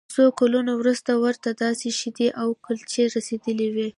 له څو کلونو وروسته ورته داسې شیدې او کلچې رسیدلې وې